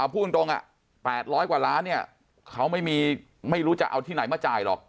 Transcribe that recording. พูดตรง๘๐๐กว่าล้านเนี่ยเขาไม่รู้จะเอาที่ไหนมาจ่ายหรอก